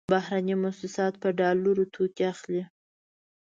بهرني موسسات په ډالرو توکې اخلي.